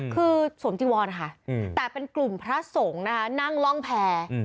คือสวมจีวอนค่ะแต่เป็นกลุ่มพระสงฆ์นะคะนั่งล่องแพร่